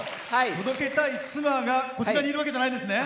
届けたい妻がこちらにいるわけじゃないですよね。